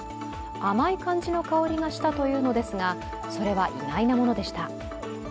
甘い感じの香りがしたというのですが、それは、意外なものでした。